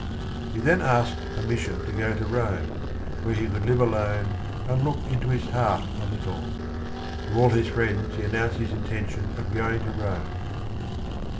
He then asked permission to go to Rome, where he could live alone and look into his heart a little. To all his friends he announced his intention of going to Rome.